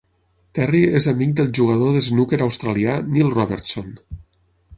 Terry és amic del jugador de snooker australià Neil Robertson.